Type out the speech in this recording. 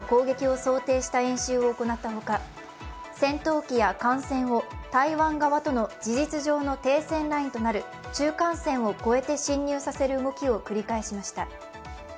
中国軍は４日間の演習で台湾本島への攻撃を想定した演習を行ったほか、戦闘機や艦船を台湾側との事実上の停戦ラインとなる中間線を越えて侵入させる動きを繰り返しました。